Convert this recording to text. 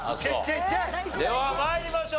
では参りましょう。